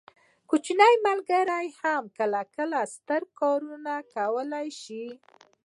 کوچني ملګري هم کله کله ستر کارونه کولی شي.